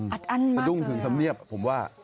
อัดอันมากเลยดุ้งถึงสำเนียบผมว่า